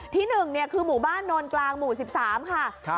ที่๑คือหมู่บ้านโนนกลางหมู่๑๓ค่ะ